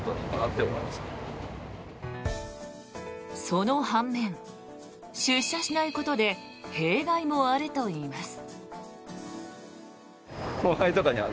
その半面、出社しないことで弊害もあるといいます。